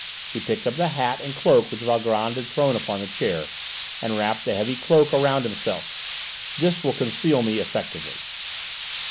He picked up the hat and cloak which Valgrand had thrown upon the chair, and wrapped the heavy cloak around himself. "This will conceal me effectively."